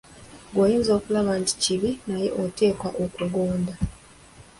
Ggwe oyinza okulaba nti kibi naye oteekwa okugonda.